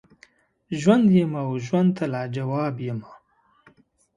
ژوند یمه وژوند ته لاجواب یمه